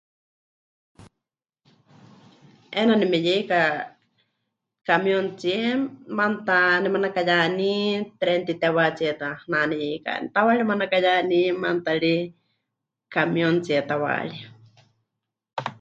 'Eena nemeyeika camióntsie, maana ta nemanakayaní tren mɨtitewatsíe ta naneyeikani, tawaarí nemanakayaní maana ta ri camióntsie tawaarí.